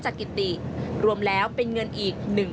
ประกอบกับต้นทุนหลักที่เพิ่มขึ้น